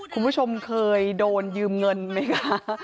คุณผู้ชมเคยโดนยืมเงินไหมคะ